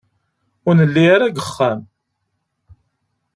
Ur nelli ara deg uxxam.